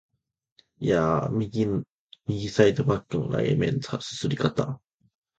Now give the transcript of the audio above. いーや、右サイドバックのラーメンの啜り方！